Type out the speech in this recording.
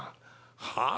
はあ